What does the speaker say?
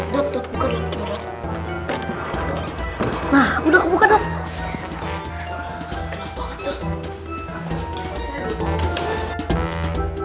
dot dot buka dot buka dot